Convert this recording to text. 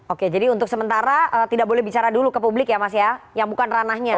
oke jadi untuk sementara tidak boleh bicara dulu ke publik ya mas ya yang bukan ranahnya